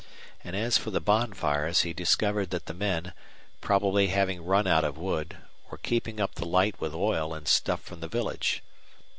And as for the bonfires he discovered that the men, probably having run out of wood, were keeping up the light with oil and stuff from the village.